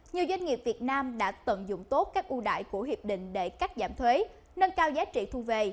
nhiều doanh nghiệp việt nam đã tận dụng tốt các ưu đại của hiệp định để cắt giảm thuế nâng cao giá trị thu về